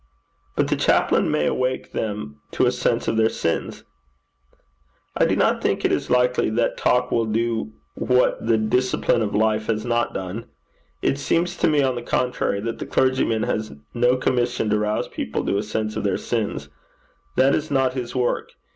'But the chaplain may awake them to a sense of their sins.' 'I do not think it is likely that talk will do what the discipline of life has not done. It seems to me, on the contrary, that the clergyman has no commission to rouse people to a sense of their sins. That is not his work.